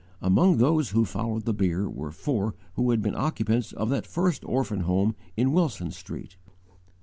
Among those who followed the bier were four who had been occupants of that first orphan home in Wilson Street.